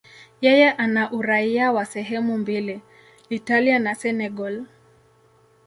Yeye ana uraia wa sehemu mbili, Italia na Senegal.